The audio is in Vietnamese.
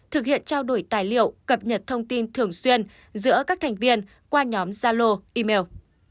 thực hiện trao đổi tài liệu cập nhật thông tin thường xuyên giữa các thành viên qua nhóm zalo email